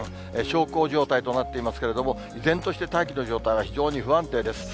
小康状態となっていますけれども、依然として大気の状態は非常に不安定です。